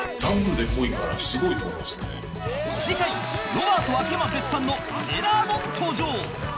次回ロバート秋山絶賛のジェラードン登場！